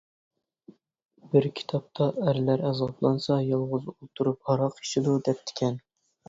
-بىر كىتابتا «ئەرلەر ئازابلانسا يالغۇز ئولتۇرۇپ ھاراق ئىچىدۇ» دەپتىكەن.